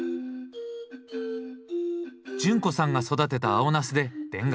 潤子さんが育てた青ナスで田楽。